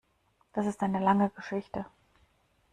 Das ist eine lange Geschichte.